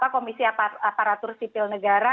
komisi aparatur sipil negara